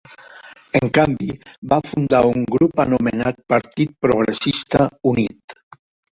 En canvi, va fundar un grup anomenat Partit Progressista Unit.